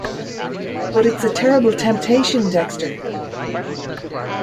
But it’s a terrible temptation, Dexter.